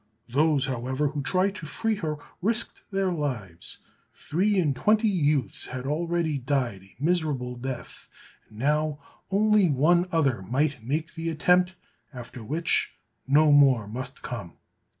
Those, however, who tried to free her risked their lives; three and twenty youths had already died a miserable death, and now only one other might make the attempt, after which no more must come.